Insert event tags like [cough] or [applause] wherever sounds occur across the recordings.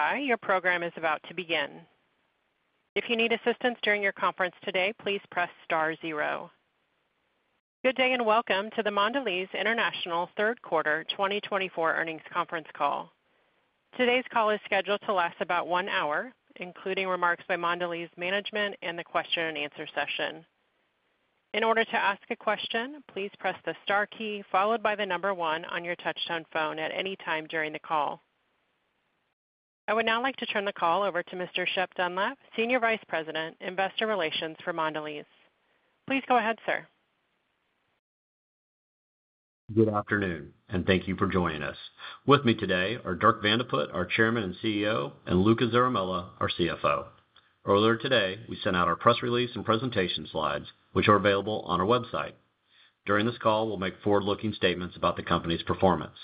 [audio distortion] your program is about to begin. If you need assistance during your conference today, please press star zero. Good day and welcome to the Mondelēz International Third Quarter 2024 Earnings Conference Call. Today's call is scheduled to last about one hour, including remarks by Mondelēz management and the question-and-answer session. In order to ask a question, please press the star key followed by the number one on your touch-tone phone at any time during the call. I would now like to turn the call over to Mr. Shep Dunlap, Senior Vice President, Investor Relations for Mondelēz. Please go ahead, sir. Good afternoon, and thank you for joining us. With me today are Dirk Van de Put, our Chairman and CEO, and Luca Zaramella, our CFO. Earlier today, we sent out our press release and presentation slides, which are available on our website. During this call, we'll make forward-looking statements about the company's performance.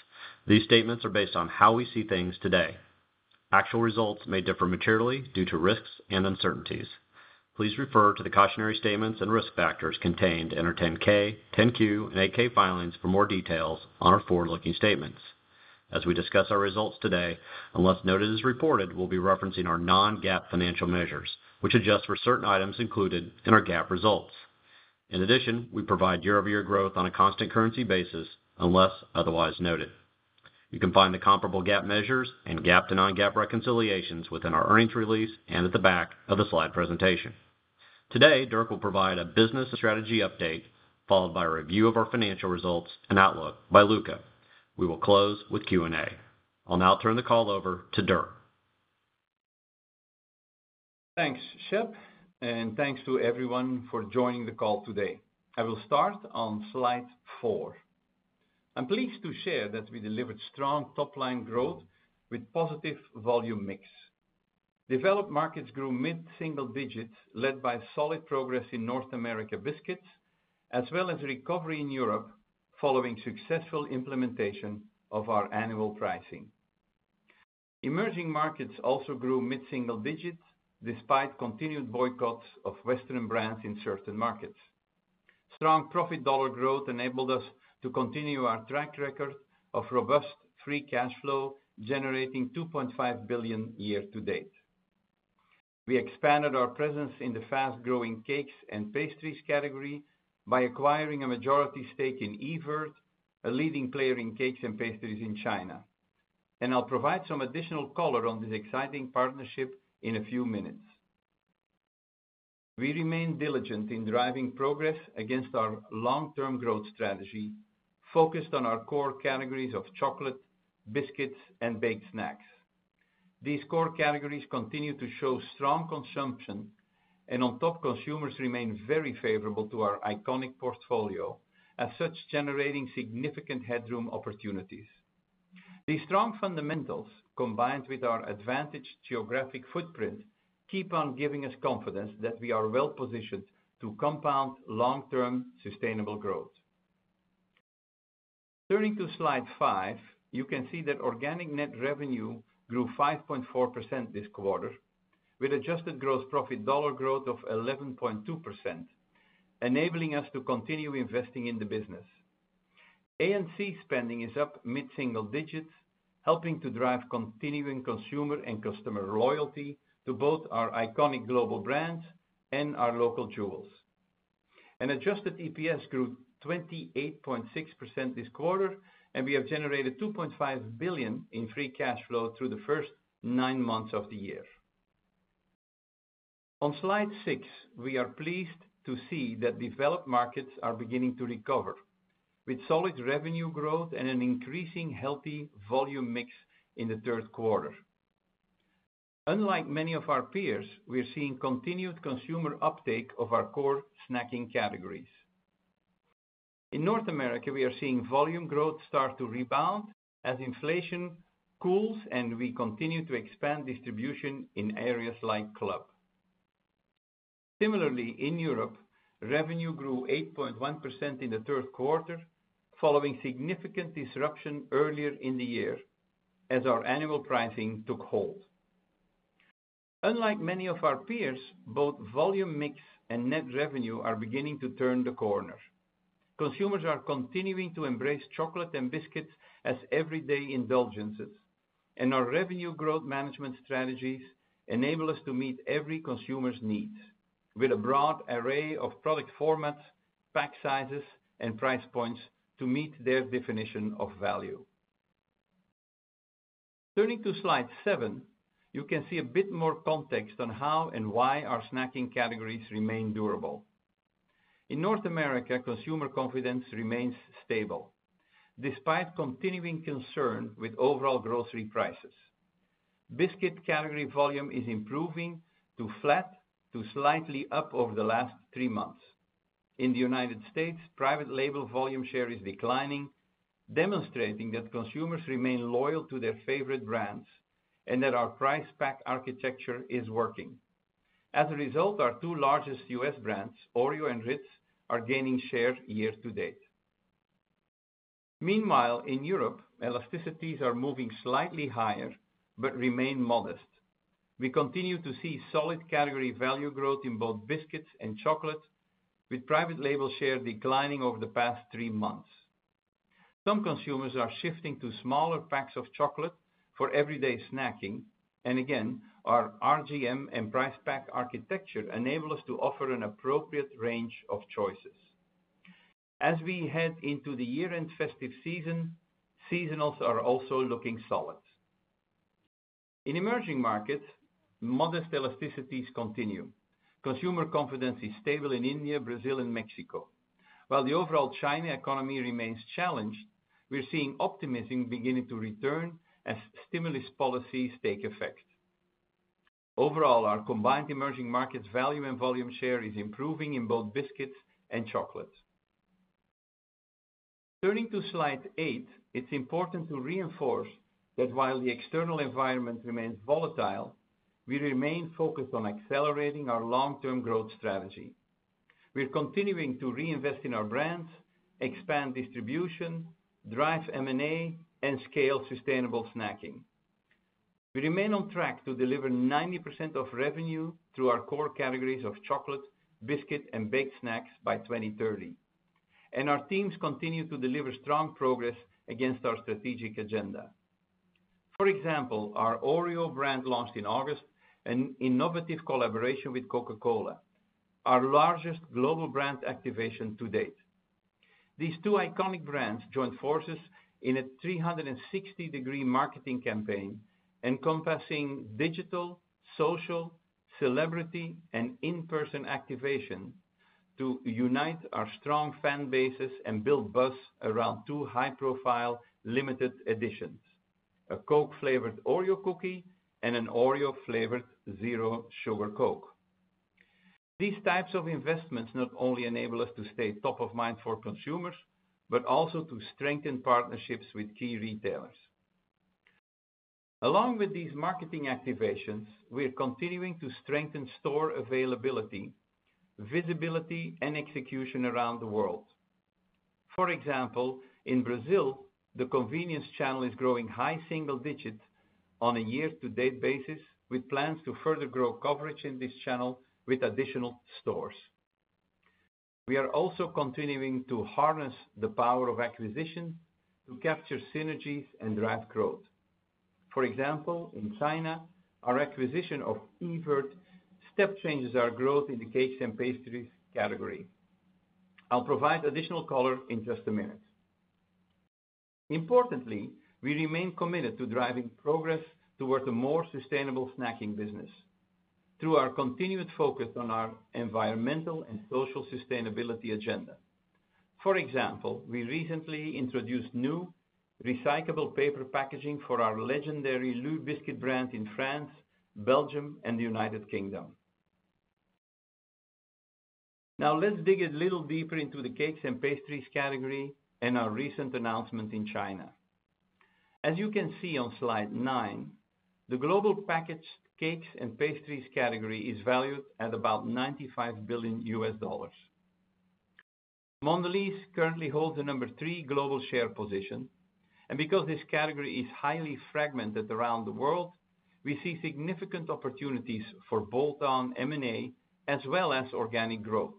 These statements are based on how we see things today. Actual results may differ materially due to risks and uncertainties. Please refer to the cautionary statements and risk factors contained in our 10-K, 10-Q, and 8-K filings for more details on our forward-looking statements. As we discuss our results today, unless noted as reported, we'll be referencing our non-GAAP financial measures, which adjust for certain items included in our GAAP results. In addition, we provide year-over-year growth on a constant currency basis unless otherwise noted. You can find the comparable GAAP measures and GAAP to non-GAAP reconciliations within our earnings release and at the back of the slide presentation. Today, Dirk will provide a business strategy update followed by a review of our financial results and outlook by Luca. We will close with Q&A. I'll now turn the call over to Dirk. Thanks, Shep, and thanks to everyone for joining the call today. I will start on slide four. I'm pleased to share that we delivered strong top-line growth with a positive volume mix. Developed markets grew mid-single digits, led by solid progress in North America biscuits, as well as recovery in Europe following successful implementation of our annual pricing. Emerging markets also grew mid-single digits despite continued boycotts of Western brands in certain markets. Strong profit dollar growth enabled us to continue our track record of robust free cash flow, generating $2.5 billion year-to-date. We expanded our presence in the fast-growing cakes and pastries category by acquiring a majority stake in Evirth, a leading player in cakes and pastries in China, and I'll provide some additional color on this exciting partnership in a few minutes. We remain diligent in driving progress against our long-term growth strategy focused on our core categories of chocolate, biscuits, and baked snacks. These core categories continue to show strong consumption, and on top, consumers remain very favorable to our iconic portfolio, as such generating significant headroom opportunities. These strong fundamentals, combined with our advantaged geographic footprint, keep on giving us confidence that we are well-positioned to compound long-term sustainable growth. Turning to slide five, you can see that organic net revenue grew 5.4% this quarter, with adjusted gross profit dollar growth of 11.2%, enabling us to continue investing in the business. A&C spending is up mid-single digits, helping to drive continuing consumer and customer loyalty to both our iconic global brands and our local jewels, and adjusted EPS grew 28.6% this quarter, and we have generated $2.5 billion in free cash flow through the first nine months of the year. On slide six, we are pleased to see that developed markets are beginning to recover, with solid revenue growth and an increasing healthy volume mix in the third quarter. Unlike many of our peers, we're seeing continued consumer uptake of our core snacking categories. In North America, we are seeing volume growth start to rebound as inflation cools, and we continue to expand distribution in areas like club. Similarly, in Europe, revenue grew 8.1% in the third quarter, following significant disruption earlier in the year as our annual pricing took hold. Unlike many of our peers, both volume mix and net revenue are beginning to turn the corner. Consumers are continuing to embrace chocolate and biscuits as everyday indulgences, and our revenue growth management strategies enable us to meet every consumer's needs, with a broad array of product formats, pack sizes, and price points to meet their definition of value. Turning to slide seven, you can see a bit more context on how and why our snacking categories remain durable. In North America, consumer confidence remains stable despite continuing concern with overall grocery prices. Biscuit category volume is improving to flat to slightly up over the last three months. In the United States, private label volume share is declining, demonstrating that consumers remain loyal to their favorite brands and that our price pack architecture is working. As a result, our two largest U.S. brands, Oreo and Ritz, are gaining share year-to-date. Meanwhile, in Europe, elasticities are moving slightly higher but remain modest. We continue to see solid category value growth in both biscuits and chocolate, with private label share declining over the past three months. Some consumers are shifting to smaller packs of chocolate for everyday snacking, and again, our RGM and price pack architecture enables us to offer an appropriate range of choices. As we head into the year-end festive season, seasonals are also looking solid. In emerging markets, modest elasticities continue. Consumer confidence is stable in India, Brazil, and Mexico. While the overall China economy remains challenged, we're seeing optimism beginning to return as stimulus policies take effect. Overall, our combined emerging markets value and volume share is improving in both biscuits and chocolate. Turning to slide eight, it's important to reinforce that while the external environment remains volatile, we remain focused on accelerating our long-term growth strategy. We're continuing to reinvest in our brands, expand distribution, drive M&A, and scale sustainable snacking. We remain on track to deliver 90% of revenue through our core categories of chocolate, biscuit, and baked snacks by 2030, and our teams continue to deliver strong progress against our strategic agenda. For example, our Oreo brand launched in August, an innovative collaboration with Coca-Cola, our largest global brand activation to date. These two iconic brands joined forces in a 360-degree marketing campaign, encompassing digital, social, celebrity, and in-person activation to unite our strong fan bases and build buzz around two high-profile limited editions: a Coke-flavored Oreo cookie and an Oreo-flavored zero-sugar Coke. These types of investments not only enable us to stay top of mind for consumers but also to strengthen partnerships with key retailers. Along with these marketing activations, we're continuing to strengthen store availability, visibility, and execution around the world. For example, in Brazil, the convenience channel is growing high single digits on a year-to-date basis, with plans to further grow coverage in this channel with additional stores. We are also continuing to harness the power of acquisition to capture synergies and drive growth. For example, in China, our acquisition of Evirth step changes our growth in the cakes and pastries category. I'll provide additional color in just a minute. Importantly, we remain committed to driving progress towards a more sustainable snacking business through our continued focus on our environmental and social sustainability agenda. For example, we recently introduced new recyclable paper packaging for our legendary LU biscuit brands in France, Belgium, and the United Kingdom. Now, let's dig a little deeper into the cakes and pastries category and our recent announcement in China. As you can see on slide nine, the global packaged cakes and pastries category is valued at about $95 billion. Mondelēz currently holds the number three global share position, and because this category is highly fragmented around the world, we see significant opportunities for bolt-on, M&A, as well as organic growth.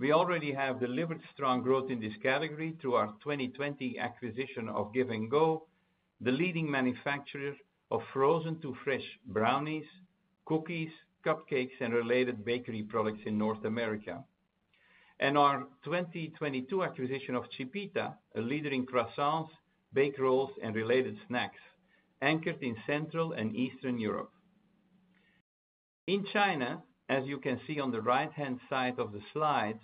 We already have delivered strong growth in this category through our 2020 acquisition of Give & Go, the leading manufacturer of frozen to fresh brownies, cookies, cupcakes, and related bakery products in North America, and our 2022 acquisition of Chipita, a leader in croissants, Bake Rolls, and related snacks, anchored in Central and Eastern Europe. In China, as you can see on the right-hand side of the slide,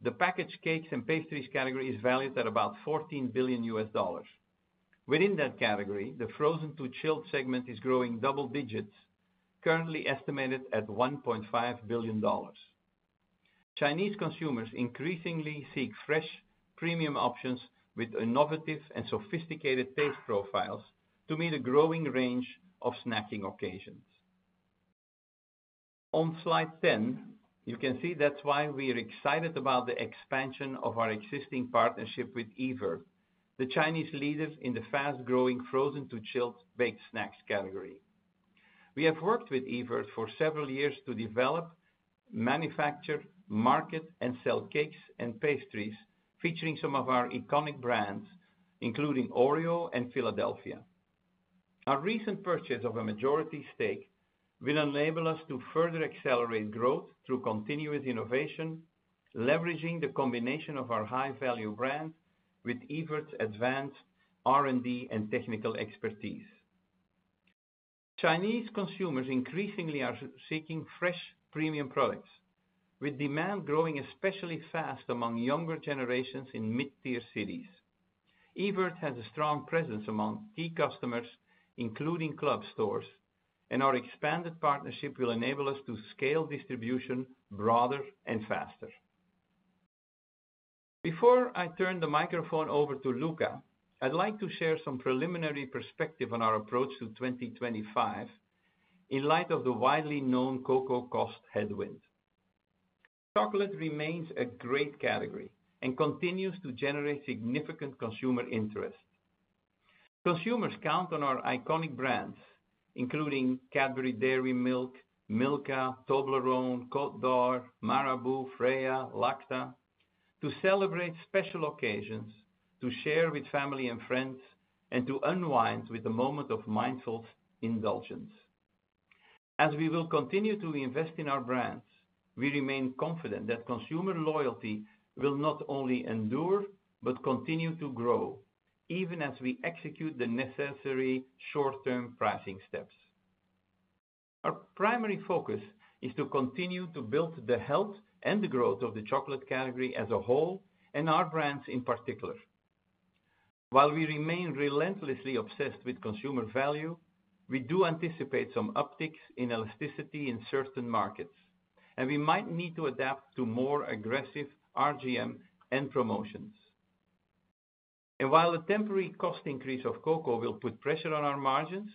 the packaged cakes and pastries category is valued at about $14 billion. Within that category, the frozen to chilled segment is growing double digits, currently estimated at $1.5 billion. Chinese consumers increasingly seek fresh premium options with innovative and sophisticated taste profiles to meet a growing range of snacking occasions. On slide 10, you can see that's why we are excited about the expansion of our existing partnership with Evirth, the Chinese leader in the fast-growing frozen to chilled baked snacks category. We have worked with Evirth for several years to develop, manufacture, market, and sell cakes and pastries featuring some of our iconic brands, including Oreo and Philadelphia. Our recent purchase of a majority stake will enable us to further accelerate growth through continuous innovation, leveraging the combination of our high-value brand with Evirth's advanced R&D and technical expertise. Chinese consumers increasingly are seeking fresh premium products, with demand growing especially fast among younger generations in mid-tier cities. Evirth has a strong presence among key customers, including club stores, and our expanded partnership will enable us to scale distribution broader and faster. Before I turn the microphone over to Luca, I'd like to share some preliminary perspective on our approach to 2025 in light of the widely known cocoa cost headwind. Chocolate remains a great category and continues to generate significant consumer interest. Consumers count on our iconic brands, including Cadbury Dairy Milk, Milka, Toblerone, Côte d'Or, Marabou, Freia, Lacta, to celebrate special occasions, to share with family and friends, and to unwind with a moment of mindful indulgence. As we will continue to invest in our brands, we remain confident that consumer loyalty will not only endure but continue to grow, even as we execute the necessary short-term pricing steps. Our primary focus is to continue to build the health and the growth of the chocolate category as a whole and our brands in particular. While we remain relentlessly obsessed with consumer value, we do anticipate some upticks in elasticity in certain markets, and we might need to adapt to more aggressive RGM and promotions. While the temporary cost increase of cocoa will put pressure on our margins,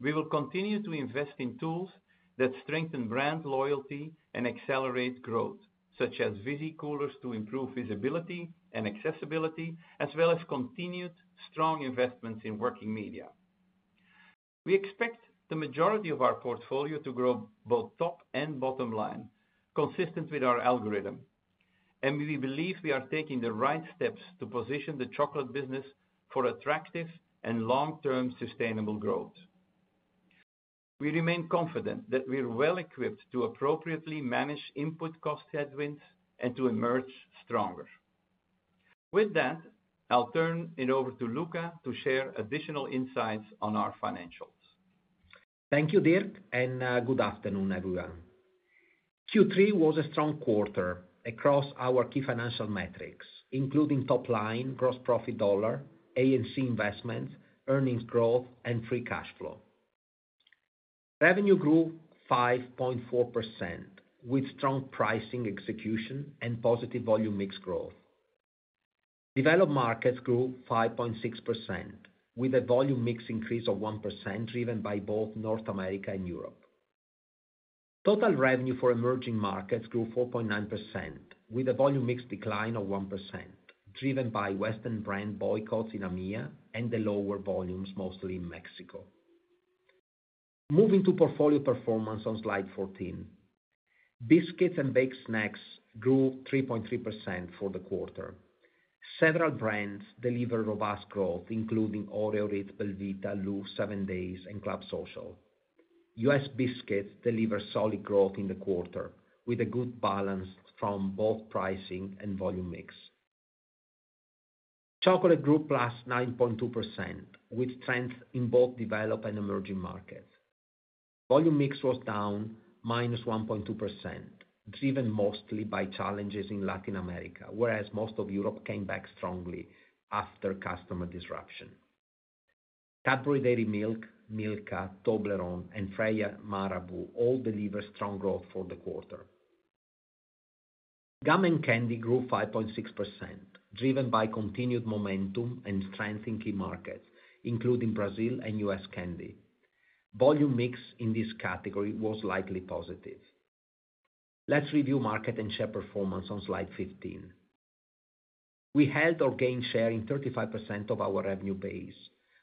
we will continue to invest in tools that strengthen brand loyalty and accelerate growth, such as visicoolers to improve visibility and accessibility, as well as continued strong investments in working media. We expect the majority of our portfolio to grow both top and bottom line, consistent with our algorithm. We believe we are taking the right steps to position the chocolate business for attractive and long-term sustainable growth. We remain confident that we're well equipped to appropriately manage input cost headwinds and to emerge stronger. With that, I'll turn it over to Luca to share additional insights on our financials. Thank you, Dirk, and good afternoon, everyone. Q3 was a strong quarter across our key financial metrics, including top line, gross profit dollar, A&C investments, earnings growth, and free cash flow. Revenue grew 5.4% with strong pricing execution and positive volume mix growth. Developed markets grew 5.6% with a volume mix increase of 1% driven by both North America and Europe. Total revenue for emerging markets grew 4.9% with a volume mix decline of 1% driven by Western brand boycotts in AMEA and the lower volumes, mostly in Mexico. Moving to portfolio performance on slide 14, biscuits and baked snacks grew 3.3% for the quarter. Several brands deliver robust growth, including Oreo, Ritz, Belvita, LU, 7Days, and Club Social. US biscuits deliver solid growth in the quarter with a good balance from both pricing and volume mix. Chocolate grew plus 9.2% with strength in both developed and emerging markets. Volume mix was down minus 1.2%, driven mostly by challenges in Latin America, whereas most of Europe came back strongly after customer disruption. Cadbury Dairy Milk, Milka, Toblerone, and Freia, Marabou all deliver strong growth for the quarter. Gum and candy grew 5.6%, driven by continued momentum and strength in key markets, including Brazil and US candy. Volume mix in this category was likely positive. Let's review market and share performance on slide 15. We held or gained share in 35% of our revenue base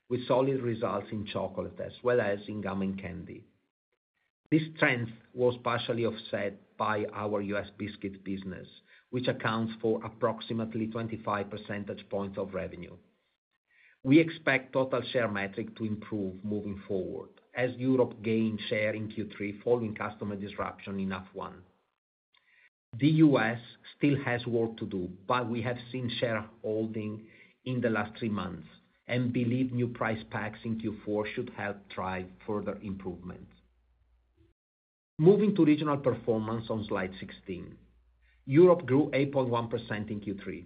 with solid results in chocolate as well as in gum and candy. This strength was partially offset by our U.S. biscuits business, which accounts for approximately 25 percentage points of revenue. We expect total share metric to improve moving forward as Europe gains share in Q3 following customer disruption in F1. The U.S. still has work to do, but we have seen share holding in the last three months and believe new price packs in Q4 should help drive further improvements. Moving to regional performance on slide 16, Europe grew 8.1% in Q3.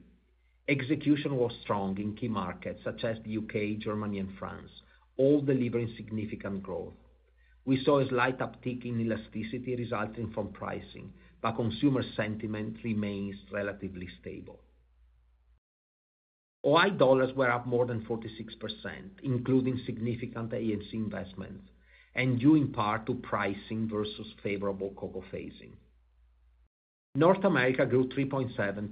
Execution was strong in key markets such as the U.K., Germany, and France, all delivering significant growth. We saw a slight uptick in elasticity resulting from pricing, but consumer sentiment remains relatively stable. OI dollars were up more than 46%, including significant A&C investments, and due in part to pricing versus favorable cocoa phasing. North America grew 3.7%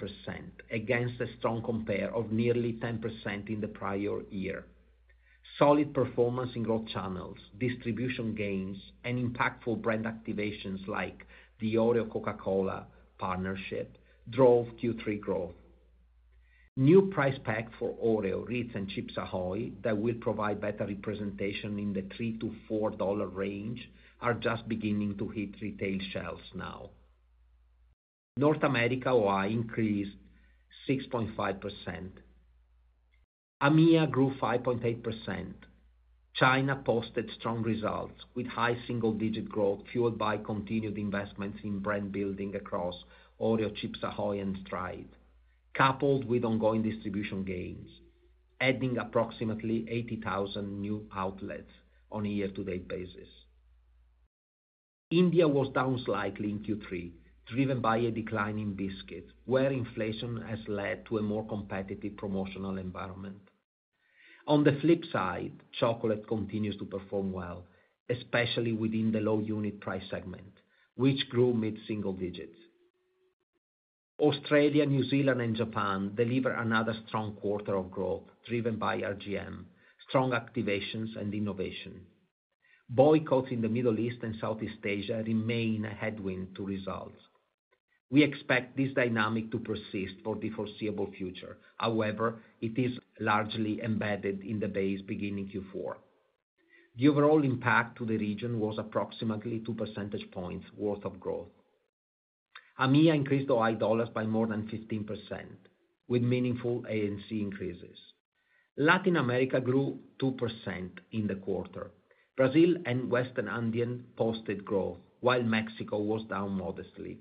against a strong compare of nearly 10% in the prior year. Solid performance in growth channels, distribution gains, and impactful brand activations like the Oreo Coca-Cola partnership drove Q3 growth. New price packs for Oreo, Ritz, and Chips Ahoy that will provide better representation in the $3-$4 range are just beginning to hit retail shelves now. North America OI increased 6.5%. EMEA grew 5.8%. China posted strong results with high single-digit growth fueled by continued investments in brand building across Oreo, Chips Ahoy, and Stride, coupled with ongoing distribution gains, adding approximately 80,000 new outlets on a year-to-date basis. India was down slightly in Q3, driven by a decline in biscuits, where inflation has led to a more competitive promotional environment. On the flip side, chocolate continues to perform well, especially within the low-unit price segment, which grew mid-single digits. Australia, New Zealand, and Japan deliver another strong quarter of growth driven by RGM, strong activations, and innovation. Boycotts in the Middle East and Southeast Asia remain a headwind to results. We expect this dynamic to persist for the foreseeable future. However, it is largely embedded in the base beginning Q4. The overall impact to the region was approximately 2 percentage points worth of growth. EMEA increased OI dollars by more than 15% with meaningful ANC increases. Latin America grew 2% in the quarter. Brazil and Western India posted growth, while Mexico was down modestly.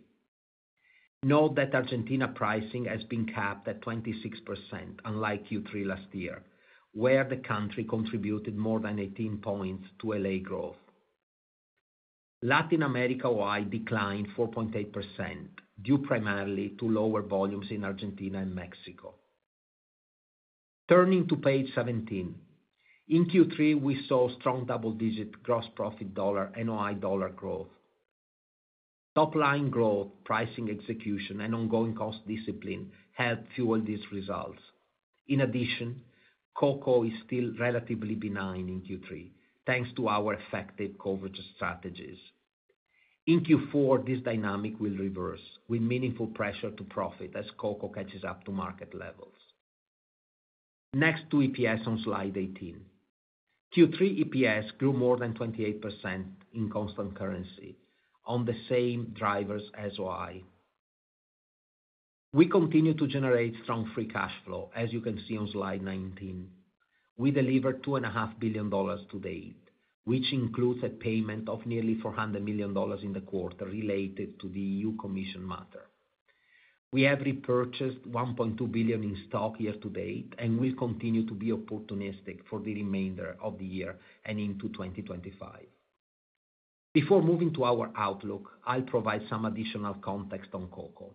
Note that Argentina pricing has been capped at 26%, unlike Q3 last year, where the country contributed more than 18 points to LA growth. Latin America OI declined 4.8% due primarily to lower volumes in Argentina and Mexico. Turning to page 17, in Q3, we saw strong double-digit gross profit dollar and OI dollar growth. Top line growth, pricing execution, and ongoing cost discipline helped fuel these results. In addition, cocoa is still relatively benign in Q3, thanks to our effective coverage strategies. In Q4, this dynamic will reverse with meaningful pressure to profit as cocoa catches up to market levels. Next to EPS on slide 18, Q3 EPS grew more than 28% in constant currency on the same drivers as OI. We continue to generate strong free cash flow, as you can see on slide 19. We delivered $2.5 billion to date, which includes a payment of nearly $400 million in the quarter related to the EU Commission matter. We have repurchased $1.2 billion in stock year to date and will continue to be opportunistic for the remainder of the year and into 2025. Before moving to our outlook, I'll provide some additional context on cocoa.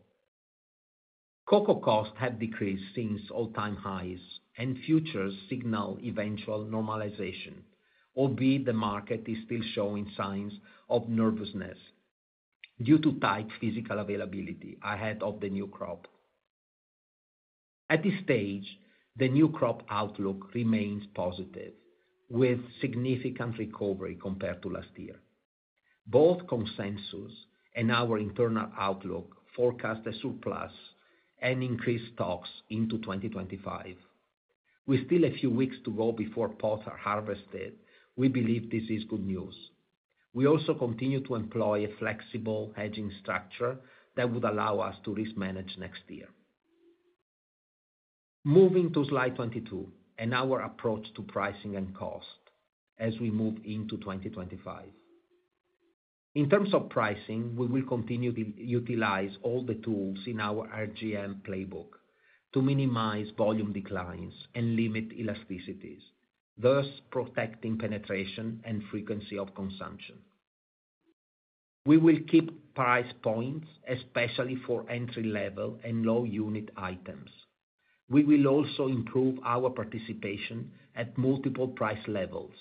Cocoa costs have decreased since all-time highs, and futures signal eventual normalization, albeit the market is still showing signs of nervousness due to tight physical availability ahead of the new crop. At this stage, the new crop outlook remains positive, with significant recovery compared to last year. Both consensus and our internal outlook forecast a surplus and increased stocks into 2025. With still a few weeks to go before pods are harvested, we believe this is good news. We also continue to employ a flexible hedging structure that would allow us to risk manage next year. Moving to slide 22 and our approach to pricing and cost as we move into 2025. In terms of pricing, we will continue to utilize all the tools in our RGM playbook to minimize volume declines and limit elasticities, thus protecting penetration and frequency of consumption. We will keep price points, especially for entry-level and low-unit items. We will also improve our participation at multiple price levels,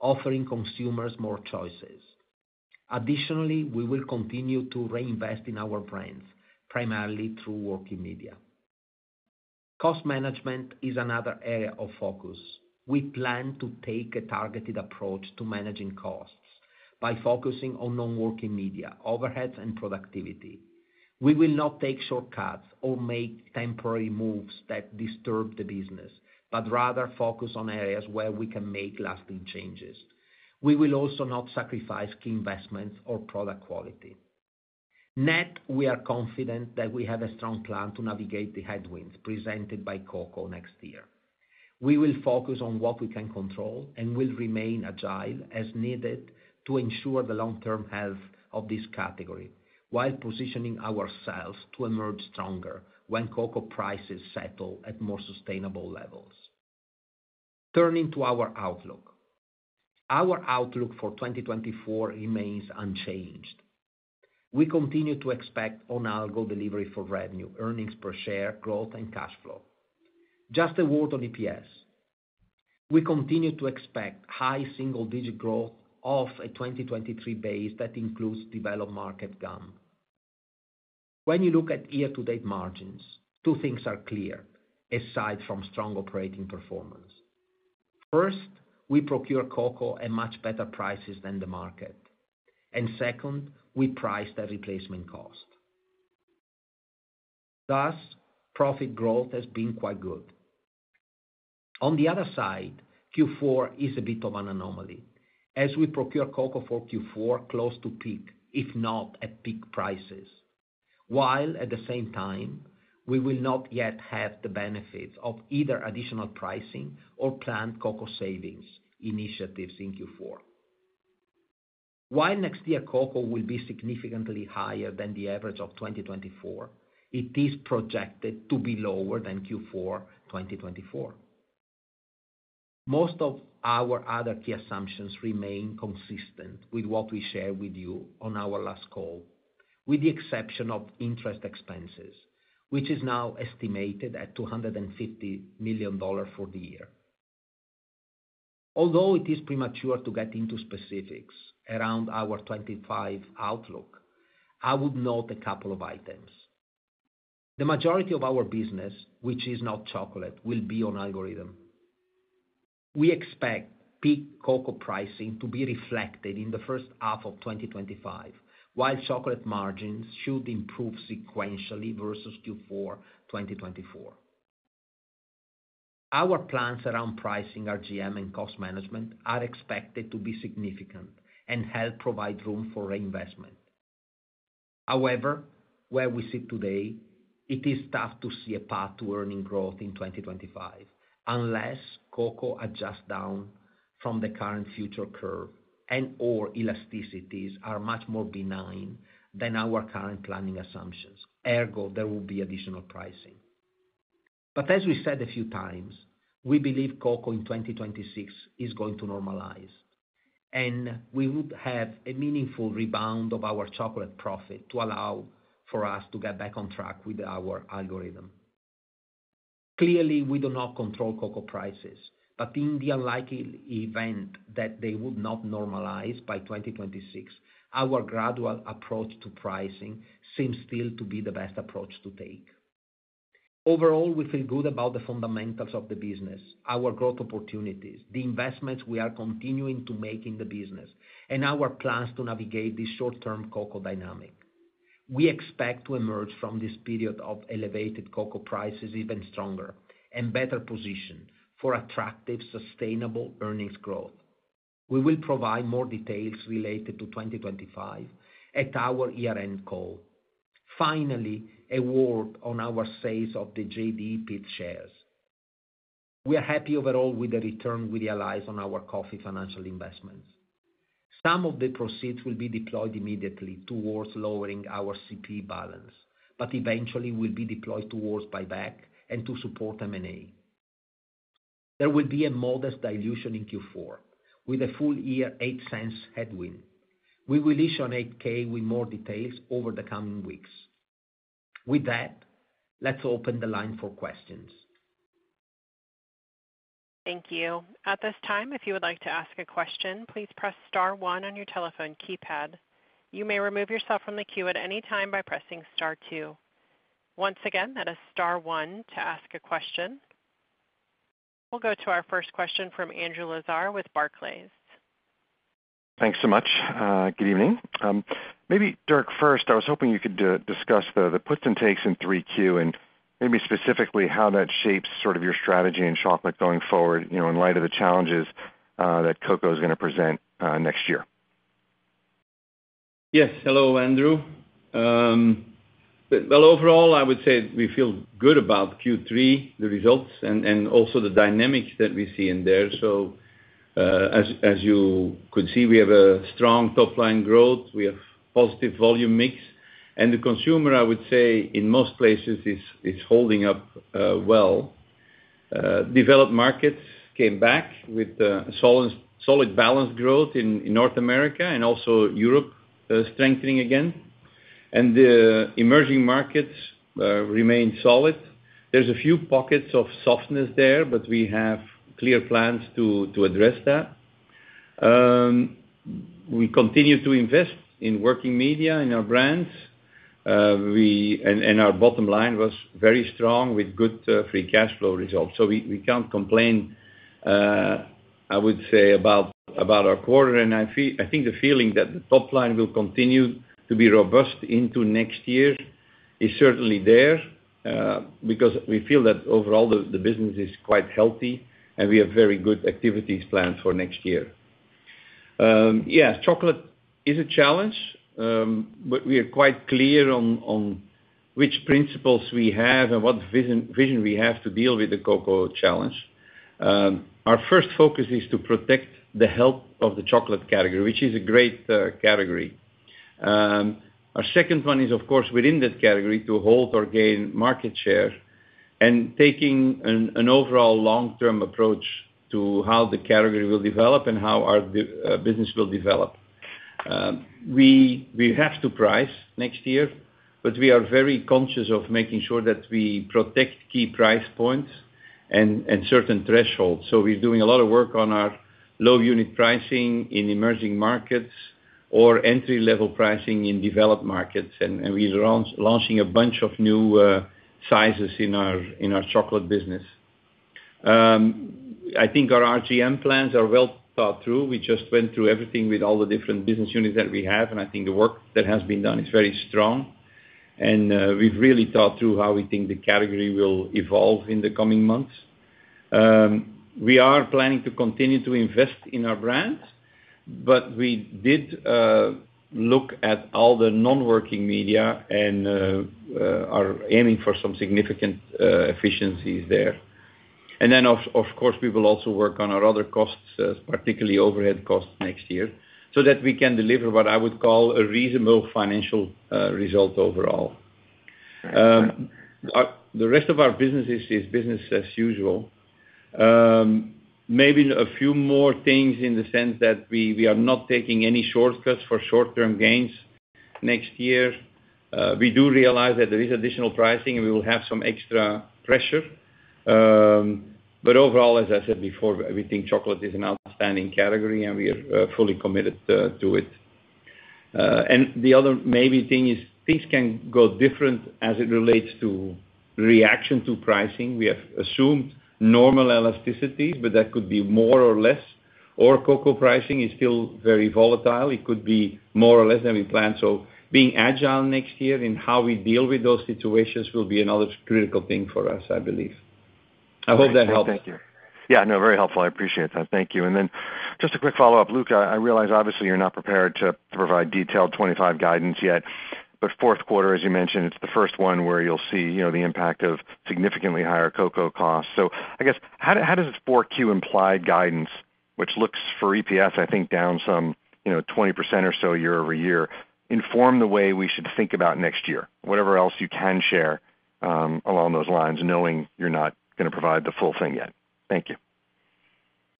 offering consumers more choices. Additionally, we will continue to reinvest in our brands, primarily through working media. Cost management is another area of focus. We plan to take a targeted approach to managing costs by focusing on non-working media, overheads, and productivity. We will not take shortcuts or make temporary moves that disturb the business, but rather focus on areas where we can make lasting changes. We will also not sacrifice key investments or product quality. Net, we are confident that we have a strong plan to navigate the headwinds presented by cocoa next year. We will focus on what we can control and will remain agile as needed to ensure the long-term health of this category while positioning ourselves to emerge stronger when cocoa prices settle at more sustainable levels. Turning to our outlook, our outlook for 2024 remains unchanged. We continue to expect on-target delivery for revenue, earnings per share, growth, and cash flow. Just a word on EPS. We continue to expect high single-digit growth off a 2023 base that includes developed market gum. When you look at year-to-date margins, two things are clear aside from strong operating performance. First, we procure cocoa at much better prices than the market. And second, we price the replacement cost. Thus, profit growth has been quite good. On the other side, Q4 is a bit of an anomaly as we procure cocoa for Q4 close to peak, if not at peak prices, while at the same time, we will not yet have the benefits of either additional pricing or planned cocoa savings initiatives in Q4. While next year cocoa will be significantly higher than the average of 2024, it is projected to be lower than Q4 2024. Most of our other key assumptions remain consistent with what we shared with you on our last call, with the exception of interest expenses, which is now estimated at $250 million for the year. Although it is premature to get into specifics around our 25 outlook, I would note a couple of items. The majority of our business, which is not chocolate, will be on algorithm. We expect peak cocoa pricing to be reflected in the first half of 2025, while chocolate margins should improve sequentially versus Q4 2024. Our plans around pricing, RGM, and cost management are expected to be significant and help provide room for reinvestment. However, where we sit today, it is tough to see a path to earnings growth in 2025 unless cocoa adjusts down from the current future curve and/or elasticities are much more benign than our current planning assumptions. Ergo, there will be additional pricing. But as we said a few times, we believe cocoa in 2026 is going to normalize, and we would have a meaningful rebound of our chocolate profit to allow for us to get back on track with our algorithm. Clearly, we do not control cocoa prices, but in the unlikely event that they would not normalize by 2026, our gradual approach to pricing seems still to be the best approach to take. Overall, we feel good about the fundamentals of the business, our growth opportunities, the investments we are continuing to make in the business, and our plans to navigate this short-term cocoa dynamic. We expect to emerge from this period of elevated cocoa prices even stronger and better positioned for attractive, sustainable earnings growth. We will provide more details related to 2025 at our year-end call. Finally, a word on our sales of the JDE Peet's shares. We are happy overall with the return we realized on our coffee financial investments. Some of the proceeds will be deployed immediately towards lowering our CP balance, but eventually will be deployed towards buyback and to support M&A. There will be a modest dilution in Q4 with a full year $0.08 headwind. We will issue an 8K with more details over the coming weeks. With that, let's open the line for questions. Thank you. At this time, if you would like to ask a question, please press star one on your telephone keypad. You may remove yourself from the queue at any time by pressing star two. Once again, that is star one to ask a question. We'll go to our first question from Andrew Lazar with Barclays. Thanks so much. Good evening. Maybe, Dirk, first, I was hoping you could discuss the puts and takes in three Q and maybe specifically how that shapes sort of your strategy in chocolate going forward in light of the challenges that cocoa is going to present next year. Yes. Hello, Andrew. Overall, I would say we feel good about Q3, the results, and also the dynamics that we see in there. As you could see, we have a strong top-line growth. We have positive volume mix. The consumer, I would say, in most places is holding up well. Developed markets came back with solid balance growth in North America and also Europe strengthening again. The emerging markets remain solid. There's a few pockets of softness there, but we have clear plans to address that. We continue to invest in working media and our brands. Our bottom line was very strong with good free cash flow results. We can't complain, I would say, about our quarter. I think the feeling that the top line will continue to be robust into next year is certainly there because we feel that overall the business is quite healthy and we have very good activities planned for next year. Yes, chocolate is a challenge, but we are quite clear on which principles we have and what vision we have to deal with the cocoa challenge. Our first focus is to protect the health of the chocolate category, which is a great category. Our second one is, of course, within that category to hold or gain market share and taking an overall long-term approach to how the category will develop and how our business will develop. We have to price next year, but we are very conscious of making sure that we protect key price points and certain thresholds. We're doing a lot of work on our low-unit pricing in emerging markets or entry-level pricing in developed markets, and we're launching a bunch of new sizes in our chocolate business. I think our RGM plans are well thought through. We just went through everything with all the different business units that we have, and I think the work that has been done is very strong. We've really thought through how we think the category will evolve in the coming months. We are planning to continue to invest in our brands, but we did look at all the non-working media and are aiming for some significant efficiencies there. Then, of course, we will also work on our other costs, particularly overhead costs next year, so that we can deliver what I would call a reasonable financial result overall. The rest of our business is business as usual. Maybe a few more things in the sense that we are not taking any shortcuts for short-term gains next year. We do realize that there is additional pricing and we will have some extra pressure. But overall, as I said before, we think chocolate is an outstanding category and we are fully committed to it. And the other maybe thing is things can go different as it relates to reaction to pricing. We have assumed normal elasticities, but that could be more or less. Or cocoa pricing is still very volatile. It could be more or less than we planned. So being agile next year in how we deal with those situations will be another critical thing for us, I believe. I hope that helps. Thank you. Yeah, no, very helpful. I appreciate that. Thank you. Then just a quick follow-up, Luca. I realize obviously you're not prepared to provide detailed 2025 guidance yet, but fourth quarter, as you mentioned, it's the first one where you'll see the impact of significantly higher cocoa costs. So I guess how does the Q4 implied guidance, which looks for EPS, I think down some 20% or so year-over-year, inform the way we should think about next year? Whatever else you can share along those lines, knowing you're not going to provide the full thing yet. Thank you.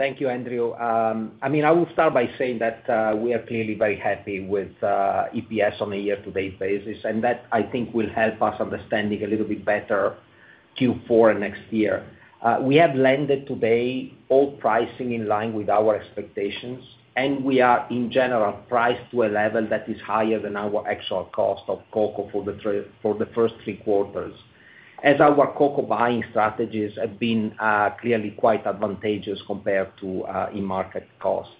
Thank you, Andrew. I mean, I will start by saying that we are clearly very happy with EPS on a year-to-date basis, and that I think will help us understanding a little bit better Q4 and next year. We have landed to date all pricing in line with our expectations, and we are, in general, priced to a level that is higher than our actual cost of cocoa for the first three quarters, as our cocoa buying strategies have been clearly quite advantageous compared to in-market cost.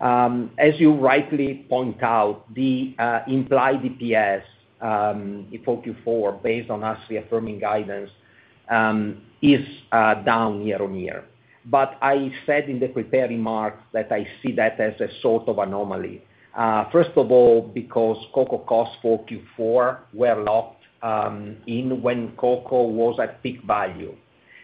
As you rightly point out, the implied EPS for Q4 based on us reaffirming guidance is down year on year. But I said in the prepared remarks that I see that as a sort of anomaly. First of all, because cocoa cost for Q4 were locked in when cocoa was at peak value.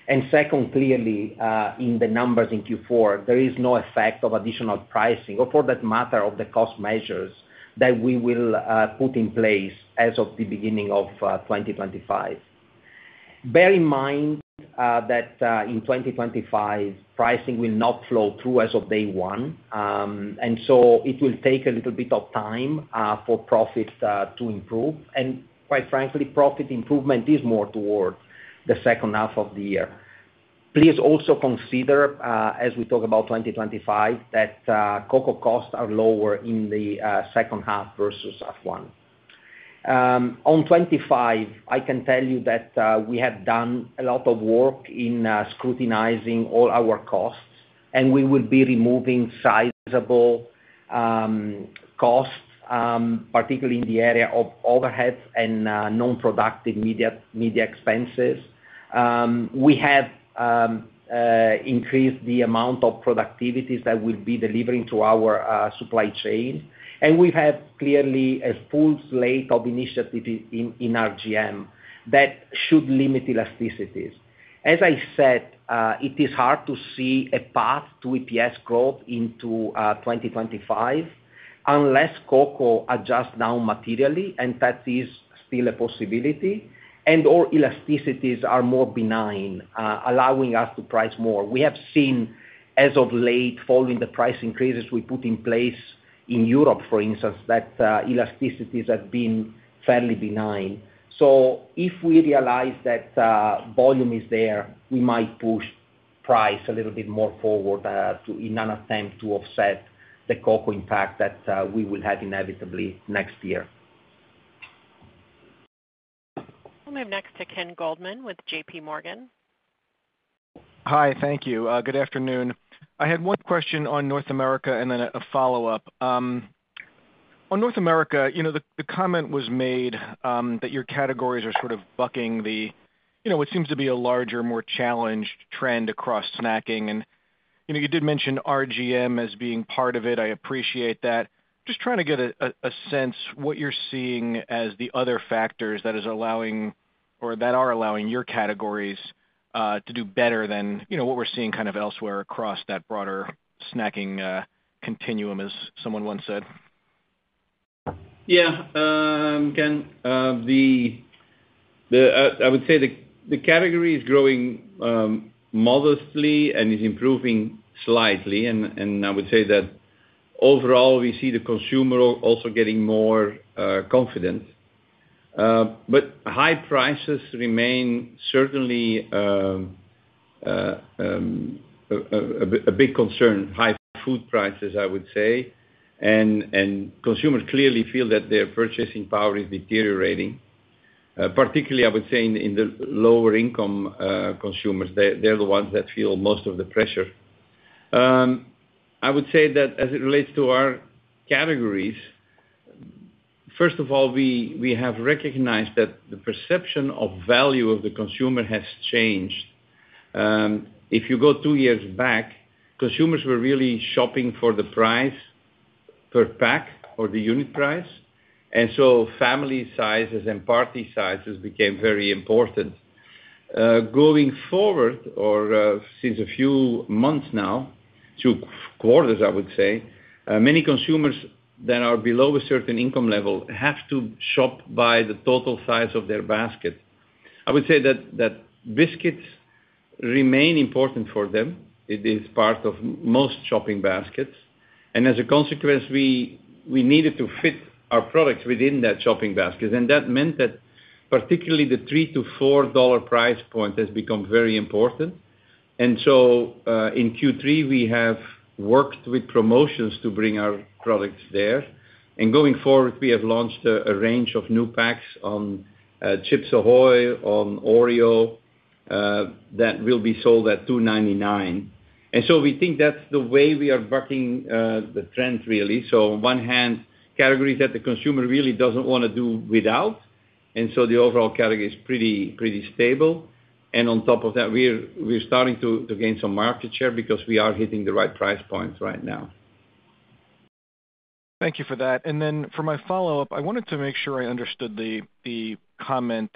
And second, clearly in the numbers in Q4, there is no effect of additional pricing, or for that matter, of the cost measures that we will put in place as of the beginning of 2025. Bear in mind that in 2025, pricing will not flow through as of day one, and so it will take a little bit of time for profit to improve, and quite frankly, profit improvement is more toward the second half of the year. Please also consider, as we talk about 2025, that cocoa costs are lower in the second half versus half one. On 25, I can tell you that we have done a lot of work in scrutinizing all our costs, and we will be removing sizable costs, particularly in the area of overhead and non-productive media expenses. We have increased the amount of productivities that we'll be delivering to our supply chain, and we have clearly a full slate of initiatives in RGM that should limit elasticities. As I said, it is hard to see a path to EPS growth into 2025 unless cocoa adjusts down materially, and that is still a possibility, and/or elasticities are more benign, allowing us to price more. We have seen as of late, following the price increases we put in place in Europe, for instance, that elasticities have been fairly benign. So if we realize that volume is there, we might push price a little bit more forward in an attempt to offset the cocoa impact that we will have inevitably next year. We'll move next to Ken Goldman with J.P. Morgan. Hi, thank you. Good afternoon. I had one question on North America and then a follow-up. On North America, the comment was made that your categories are sort of bucking the what seems to be a larger, more challenged trend across snacking. You did mention RGM as being part of it. I appreciate that. Just trying to get a sense of what you're seeing as the other factors that are allowing your categories to do better than what we're seeing kind of elsewhere across that broader snacking continuum, as someone once said. Yeah. Ken, I would say the category is growing modestly and is improving slightly. I would say that overall, we see the consumer also getting more confident. High prices remain certainly a big concern. High food prices, I would say. Consumers clearly feel that their purchasing power is deteriorating, particularly, I would say, in the lower-income consumers. They're the ones that feel most of the pressure. I would say that as it relates to our categories, first of all, we have recognized that the perception of value of the consumer has changed. If you go two years back, consumers were really shopping for the price per pack or the unit price. And so family sizes and party sizes became very important. Going forward, or since a few months now, two quarters, I would say, many consumers that are below a certain income level have to shop by the total size of their basket. I would say that biscuits remain important for them. It is part of most shopping baskets. And as a consequence, we needed to fit our products within that shopping basket. And that meant that particularly the $3-$4 price point has become very important. And so in Q3, we have worked with promotions to bring our products there. And going forward, we have launched a range of new packs on Chips Ahoy!, on Oreo that will be sold at $2.99. And so we think that's the way we are bucking the trend, really. So on one hand, categories that the consumer really doesn't want to do without. And so the overall category is pretty stable. And on top of that, we're starting to gain some market share because we are hitting the right price points right now. Thank you for that. And then for my follow-up, I wanted to make sure I understood the comment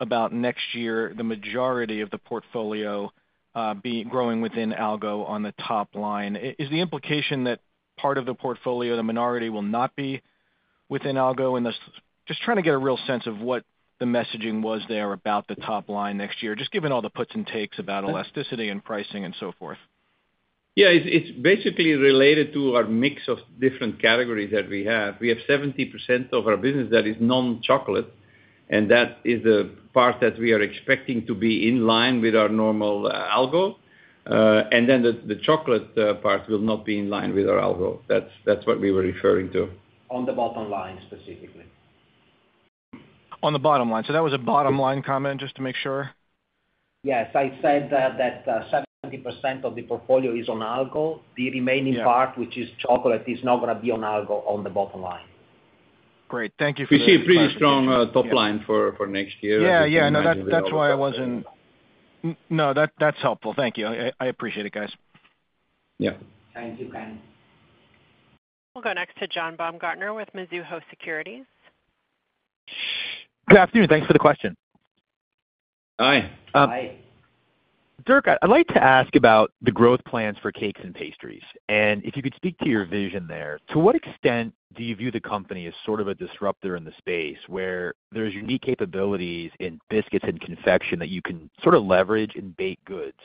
about next year, the majority of the portfolio growing within Algo on the top line. Is the implication that part of the portfolio, the minority, will not be within Algo? And just trying to get a real sense of what the messaging was there about the top line next year, just given all the puts and takes about elasticity and pricing and so forth. Yeah. It's basically related to our mix of different categories that we have. We have 70% of our business that is non-chocolate, and that is the part that we are expecting to be in line with our normal Algo. And then the chocolate part will not be in line with our Algo. That's what we were referring to. On the bottom line specifically. On the bottom line. So that was a bottom line comment, just to make sure. Yes. I said that 70% of the portfolio is on Algo. The remaining part, which is chocolate, is not going to be on Algo on the bottom line. Great. Thank you for that. We see a pretty strong top line for next year. Yeah. Yeah. No, that's why I wasn't. No, that's helpful. Thank you. I appreciate it, guys. Yeah. Thank you, Ken. We'll go next to John Baumgartner with Mizuho Securities. Good afternoon. Thanks for the question. Hi. Dirk, I'd like to ask about the growth plans for Cakes and Pastries. And if you could speak to your vision there, to what extent do you view the company as sort of a disruptor in the space where there are unique capabilities in biscuits and confection that you can sort of leverage in baked goods?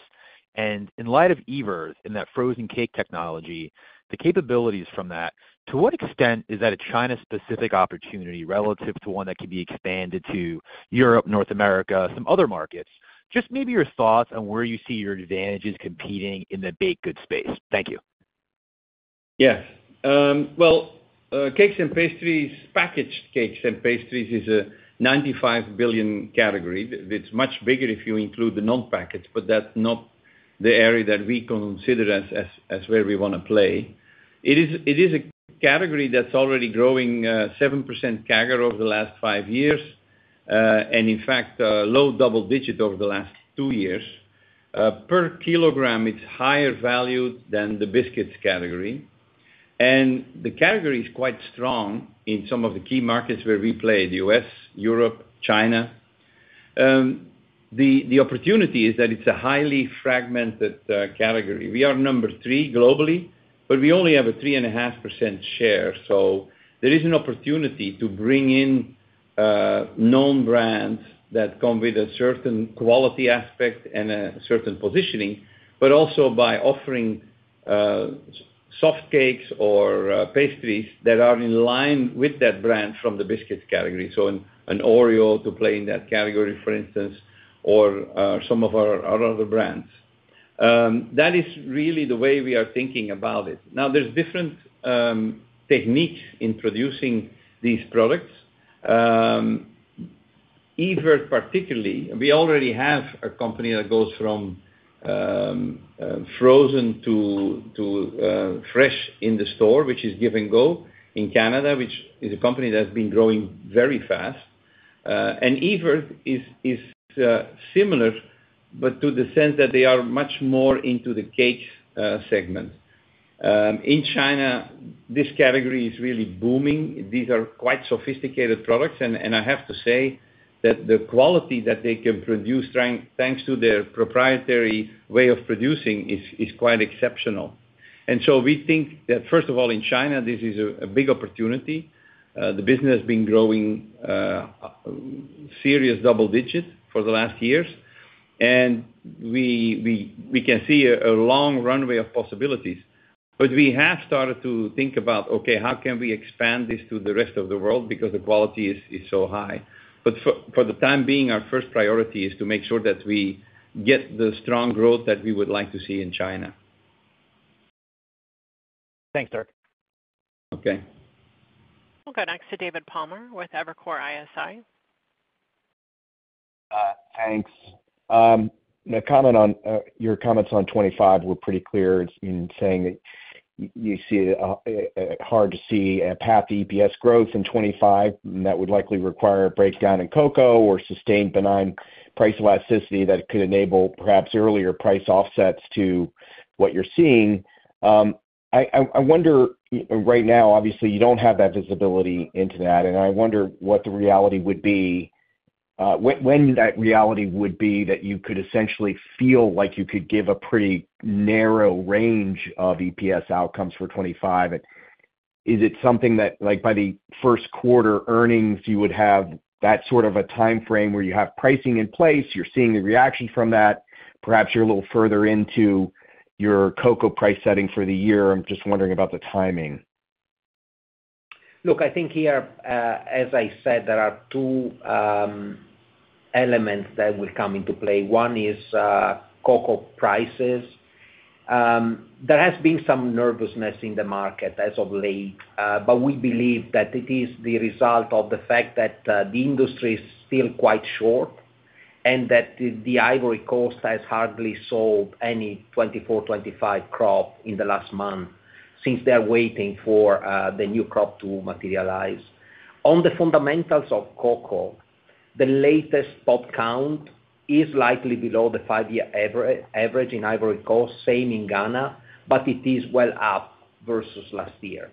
And in light of Evirth and that frozen cake technology, the capabilities from that, to what extent is that a China-specific opportunity relative to one that can be expanded to Europe, North America, some other markets? Just maybe your thoughts on where you see your advantages competing in the baked goods space. Thank you. Yes, well, Cakes and Pastries, packaged cakes and pastries, is a 95 billion category. It's much bigger if you include the non-packaged, but that's not the area that we consider as where we want to play. It is a category that's already growing 7% CAGR over the last five years and, in fact, low double digit over the last two years. Per kilogram, it's higher valued than the biscuits category, and the category is quite strong in some of the key markets where we play: the U.S., Europe, China. The opportunity is that it's a highly fragmented category. We are number three globally, but we only have a 3.5% share. So there is an opportunity to bring in known brands that come with a certain quality aspect and a certain positioning, but also by offering soft cakes or pastries that are in line with that brand from the biscuits category. So an Oreo to play in that category, for instance, or some of our other brands. That is really the way we are thinking about it. Now, there are different techniques in producing these products. Evirth, particularly, we already have a company that goes from frozen to fresh in the store, which is Give & Go in Canada, which is a company that's been growing very fast. And Evirth is similar, but to the sense that they are much more into the cake segment. In China, this category is really booming. These are quite sophisticated products. And I have to say that the quality that they can produce, thanks to their proprietary way of producing, is quite exceptional. And so we think that, first of all, in China, this is a big opportunity. The business has been growing serious double digit for the last years. And we can see a long runway of possibilities. But we have started to think about, okay, how can we expand this to the rest of the world because the quality is so high? But for the time being, our first priority is to make sure that we get the strong growth that we would like to see in China. Thanks, Dirk. Okay. We'll go next to David Palmer with Evercore ISI. Thanks. Your comments on 25 were pretty clear in saying that you see it hard to see a path to EPS growth in 25, and that would likely require a breakdown in cocoa or sustained benign price elasticity that could enable perhaps earlier price offsets to what you're seeing. I wonder, right now, obviously, you don't have that visibility into that. I wonder what the reality would be, when that reality would be that you could essentially feel like you could give a pretty narrow range of EPS outcomes for 2025. Is it something that, by the first quarter earnings, you would have that sort of a time frame where you have pricing in place, you're seeing the reaction from that, perhaps you're a little further into your cocoa price setting for the year? I'm just wondering about the timing. Look, I think here, as I said, there are two elements that will come into play. One is cocoa prices. There has been some nervousness in the market as of late, but we believe that it is the result of the fact that the industry is still quite short and that the Ivory Coast has hardly sold any 2024-2025 crop in the last month since they are waiting for the new crop to materialize. On the fundamentals of cocoa, the latest pod count is likely below the five-year average in Ivory Coast, same in Ghana, but it is well up versus last year.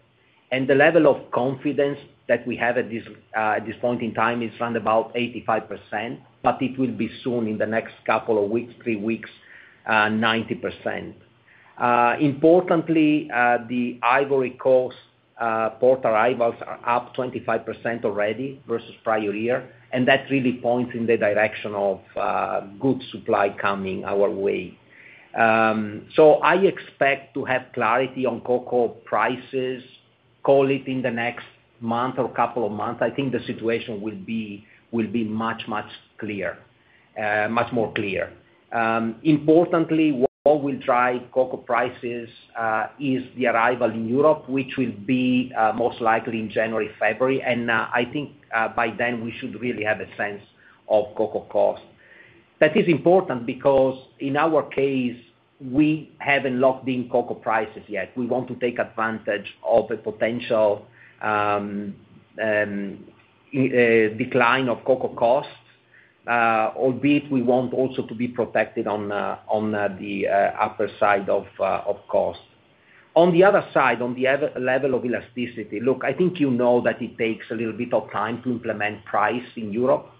And the level of confidence that we have at this point in time is around about 85%, but it will be soon in the next couple of weeks, three weeks, 90%. Importantly, the Ivory Coast port arrivals are up 25% already versus prior year, and that really points in the direction of good supply coming our way. So, I expect to have clarity on cocoa prices, call it in the next month or couple of months. I think the situation will be much, much clearer, much more clear. Importantly, what will drive cocoa prices is the arrival in Europe, which will be most likely in January, February, and I think by then, we should really have a sense of cocoa cost. That is important because in our case, we haven't locked in cocoa prices yet. We want to take advantage of a potential decline of cocoa costs, albeit we want also to be protected on the upper side of cost. On the other side, on the level of elasticity, look, I think you know that it takes a little bit of time to implement price in Europe.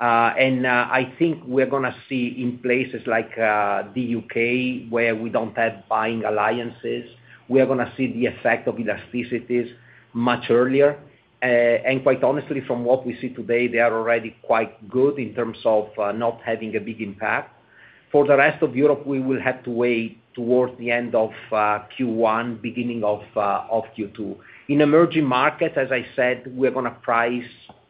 And I think we're going to see in places like the U.K., where we don't have buying alliances, we are going to see the effect of elasticities much earlier. And quite honestly, from what we see today, they are already quite good in terms of not having a big impact. For the rest of Europe, we will have to wait towards the end of Q1, beginning of Q2. In emerging markets, as I said, we are going to price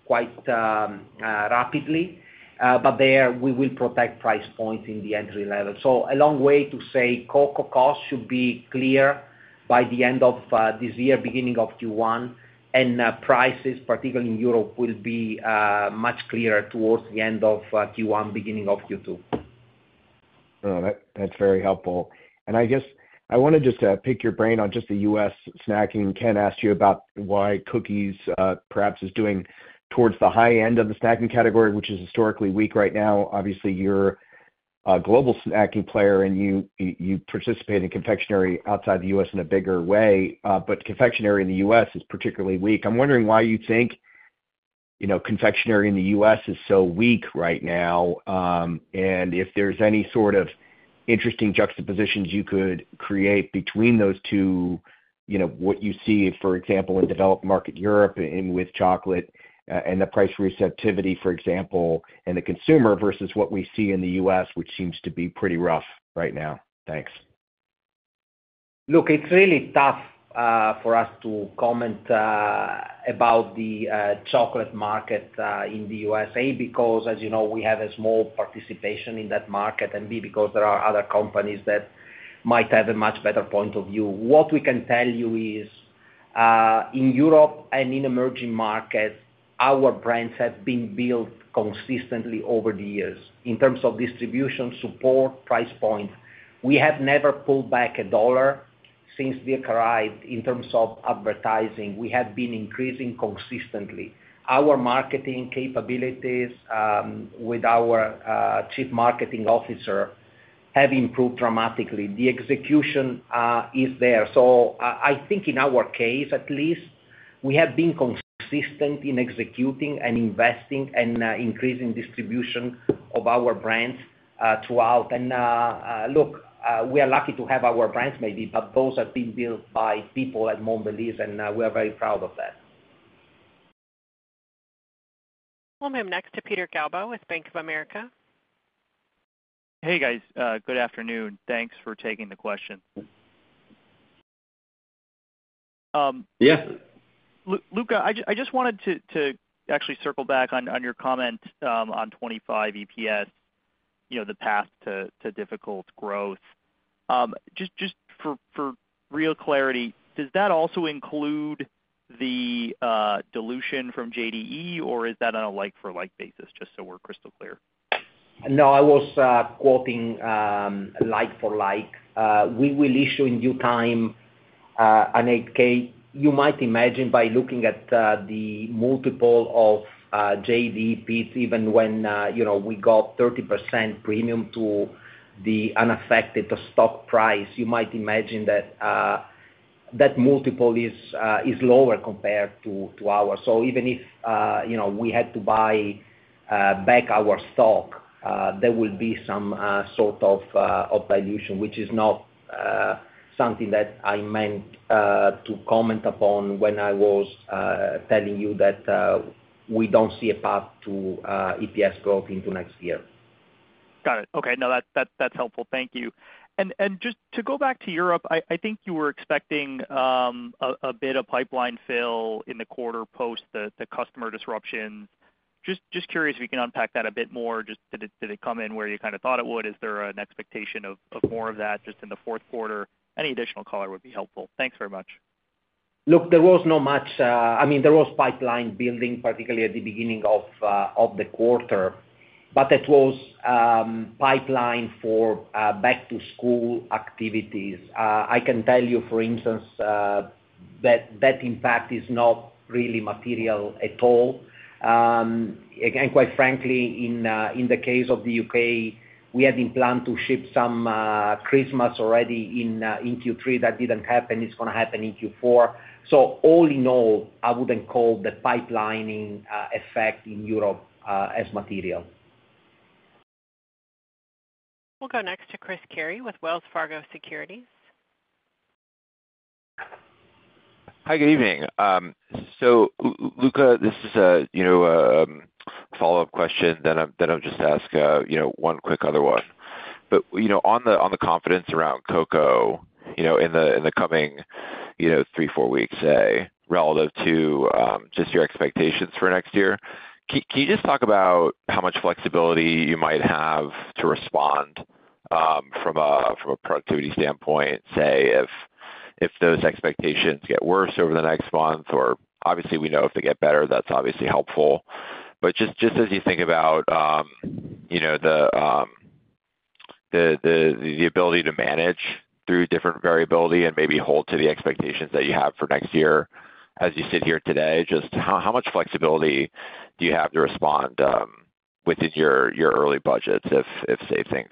quite rapidly, but there we will protect price points in the entry level. So a long way to say cocoa cost should be clear by the end of this year, beginning of Q1. And prices, particularly in Europe, will be much clearer towards the end of Q1, beginning of Q2. That's very helpful. And I guess I want to just pick your brain on just the U.S. snacking. Ken asked you about why cookies perhaps is doing towards the high end of the snacking category, which is historically weak right now. Obviously, you're a global snacking player, and you participate in confectionery outside the U.S. in a bigger way. But confectionery in the U.S. is particularly weak. I'm wondering why you think confectionery in the U.S. is so weak right now, and if there's any sort of interesting juxtapositions you could create between those two, what you see, for example, in developed market Europe with chocolate and the price receptivity, for example, and the consumer versus what we see in the U.S., which seems to be pretty rough right now? Thanks. Look, it's really tough for us to comment about the chocolate market in the U.S., A, because, as you know, we have a small participation in that market, and B, because there are other companies that might have a much better point of view. What we can tell you is in Europe and in emerging markets, our brands have been built consistently over the years in terms of distribution, support, price points. We have never pulled back a dollar since Dirk arrived in terms of advertising. We have been increasing consistently. Our marketing capabilities with our Chief Marketing Officer have improved dramatically. The execution is there. So I think in our case, at least, we have been consistent in executing and investing and increasing distribution of our brands throughout. And look, we are lucky to have our brands maybe, but those have been built by people at Mondelēz, and we are very proud of that. We'll move next to Peter Galbo with Bank of America. Hey, guys. Good afternoon. Thanks for taking the question. Yeah. Luca, I just wanted to actually circle back on your comment on 2025 EPS, the path to double-digit growth. Just for real clarity, does that also include the dilution from JDE, or is that on a like-for-like basis, just so we're crystal clear? No, I was quoting like-for-like. We will issue in due time an 8-K. You might imagine by looking at the multiple of JDE, even when we got 30% premium to the unaffected stock price, you might imagine that that multiple is lower compared to ours. So even if we had to buy back our stock, there will be some sort of dilution, which is not something that I meant to comment upon when I was telling you that we don't see a path to EPS growth into next year. Got it. Okay. No, that's helpful. Thank you. And just to go back to Europe, I think you were expecting a bit of pipeline fill in the quarter post the customer disruptions. Just curious if you can unpack that a bit more. Did it come in where you kind of thought it would? Is there an expectation of more of that just in the fourth quarter? Any additional color would be helpful. Thanks very much. Look, there was not much. I mean, there was pipeline building, particularly at the beginning of the quarter, but it was pipeline for back-to-school activities. I can tell you, for instance, that that impact is not really material at all. And quite frankly, in the case of the UK, we had in plan to ship some Christmas already in Q3. That didn't happen. It's going to happen in Q4. So all in all, I wouldn't call the pipelining effect in Europe as material. We'll go next to Chris Carey with Wells Fargo Securities. Hi, good evening. So Luca, this is a follow-up question that I'll just ask one quick other one. But on the confidence around cocoa in the coming three, four weeks, say, relative to just your expectations for next year, can you just talk about how much flexibility you might have to respond from a productivity standpoint, say, if those expectations get worse over the next month? Or obviously, we know if they get better, that's obviously helpful. But just as you think about the ability to manage through different variability and maybe hold to the expectations that you have for next year as you sit here today, just how much flexibility do you have to respond within your early budgets if, say, things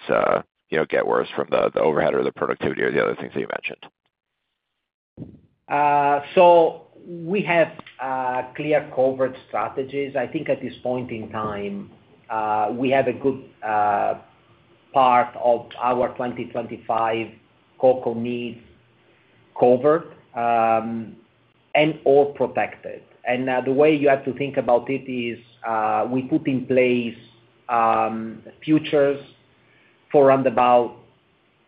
get worse from the overhead or the productivity or the other things that you mentioned? So we have clear coverage strategies. I think at this point in time, we have a good part of our 2025 cocoa needs covered and/or protected. And the way you have to think about it is we put in place futures for around about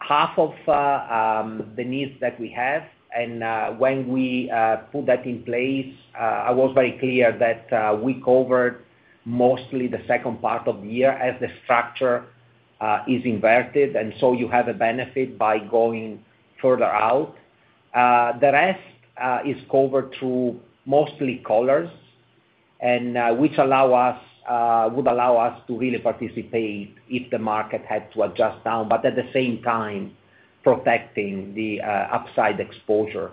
half of the needs that we have. And when we put that in place, I was very clear that we covered mostly the second part of the year as the structure is inverted. And so you have a benefit by going further out. The rest is covered through mostly collars, which would allow us to really participate if the market had to adjust down, but at the same time, protecting the upside exposure.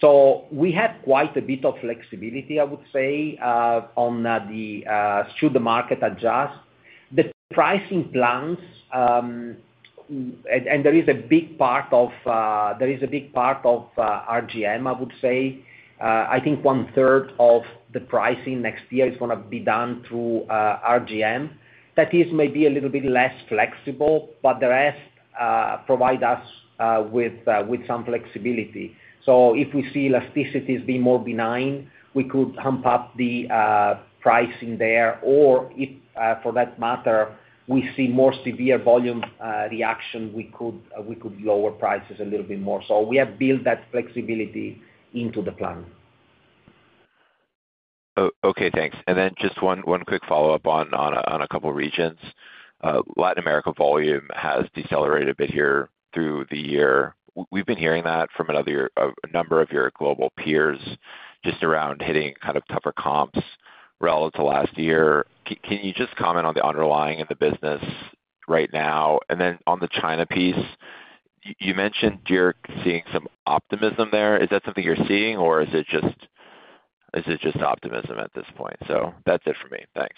So we have quite a bit of flexibility, I would say, on the should the market adjust. The pricing plans, and there is a big part of RGM, I would say. I think one-third of the pricing next year is going to be done through RGM. That is maybe a little bit less flexible, but the rest provide us with some flexibility. So if we see elasticities being more benign, we could ramp up the pricing there. Or if, for that matter, we see more severe volume reaction, we could lower prices a little bit more. So we have built that flexibility into the plan. Okay. Thanks. And then just one quick follow-up on a couple of regions. Latin America volume has decelerated a bit here through the year. We've been hearing that from a number of your global peers just around hitting kind of tougher comps relative to last year. Can you just comment on the underlying of the business right now? And then on the China piece, you mentioned you're seeing some optimism there. Is that something you're seeing, or is it just optimism at this point? So that's it for me. Thanks.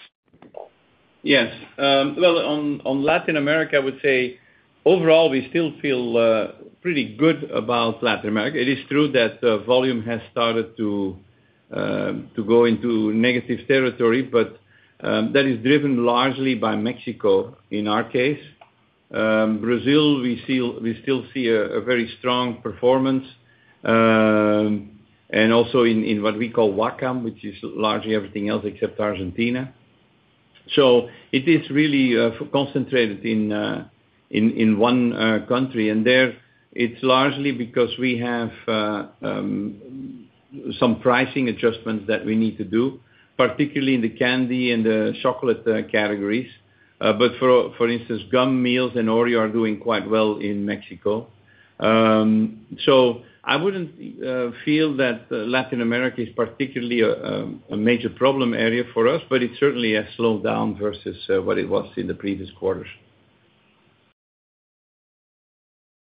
Yes. Well, on Latin America, I would say overall, we still feel pretty good about Latin America. It is true that volume has started to go into negative territory, but that is driven largely by Mexico in our case. Brazil, we still see a very strong performance. And also in what we call WACAM, which is largely everything else except Argentina. So it is really concentrated in one country. And there, it's largely because we have some pricing adjustments that we need to do, particularly in the candy and the chocolate categories. But for instance, gum, Milka, and Oreo are doing quite well in Mexico. So I wouldn't feel that Latin America is particularly a major problem area for us, but it certainly has slowed down versus what it was in the previous quarters.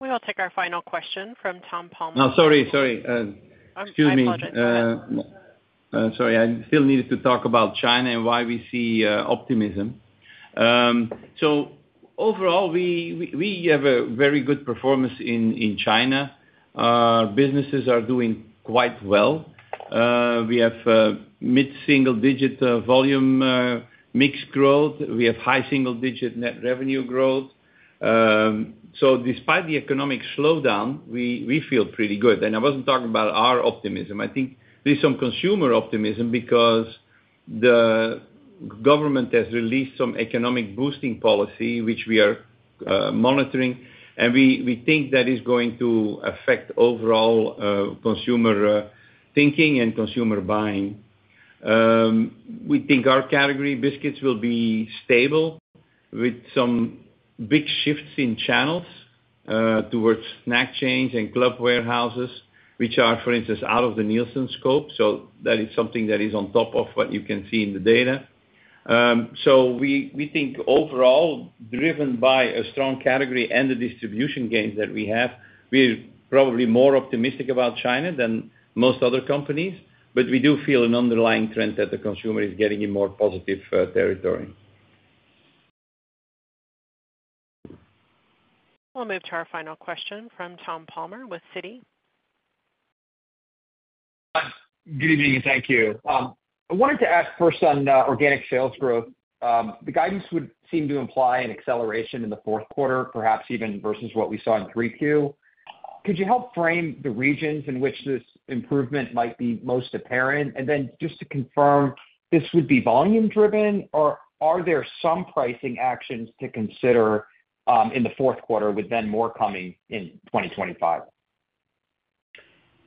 We'll take our final question from Tom Palmer. No, sorry. Sorry. Excuse me. Sorry. I still needed to talk about China and why we see optimism. So overall, we have a very good performance in China. Businesses are doing quite well. We have mid-single-digit volume mix growth. We have high single-digit net revenue growth. So despite the economic slowdown, we feel pretty good. And I wasn't talking about our optimism. I think there is some consumer optimism because the government has released some economic boosting policy, which we are monitoring. And we think that is going to affect overall consumer thinking and consumer buying. We think our category biscuits will be stable with some big shifts in channels towards snack chains and club warehouses, which are, for instance, out of the Nielsen scope. So that is something that is on top of what you can see in the data. So we think overall, driven by a strong category and the distribution gains that we have, we're probably more optimistic about China than most other companies. But we do feel an underlying trend that the consumer is getting in more positive territory. We'll move to our final question from Tom Palmer with Citi. Good evening. Thank you. I wanted to ask first on organic sales growth. The guidance would seem to imply an acceleration in the fourth quarter, perhaps even versus what we saw in Q3. Could you help frame the regions in which this improvement might be most apparent? And then just to confirm, this would be volume-driven, or are there some pricing actions to consider in the fourth quarter with then more coming in 2025?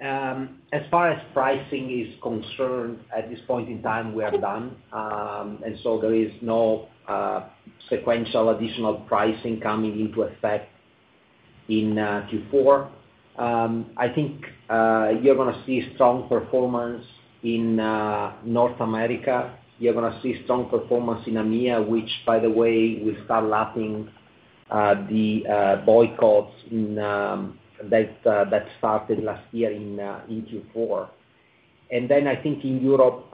As far as pricing is concerned, at this point in time, we are done. And so there is no sequential additional pricing coming into effect in Q4. I think you're going to see strong performance in North America. You're going to see strong performance in EMEA, which, by the way, will start lapping the boycotts that started last year in Q4. And then I think in Europe,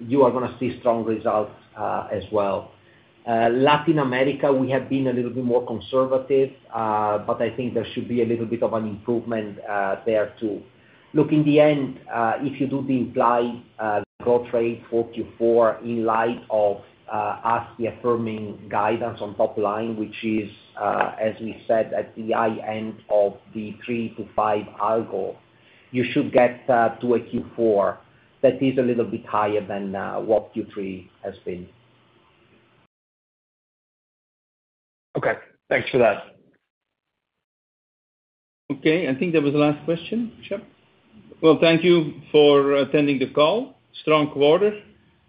you are going to see strong results as well. Latin America, we have been a little bit more conservative, but I think there should be a little bit of an improvement there too. Look, in the end, if you do the implied growth rate for Q4 in light of us affirming guidance on top line, which is, as we said, at the high end of the three to five algo, you should get to a Q4 that is a little bit higher than what Q3 has been. Okay. Thanks for that. Okay. I think that was the last question. Well, thank you for attending the call. Strong quarter.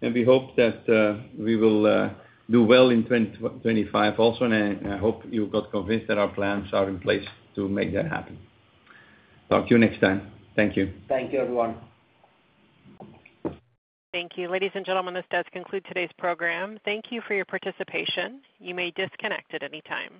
And we hope that we will do well in 2025 also. And I hope you got convinced that our plans are in place to make that happen. Talk to you next time. Thank you. Thank you, everyone. Thank you. Ladies and gentlemen, this does conclude today's program. Thank you for your participation. You may disconnect at any time.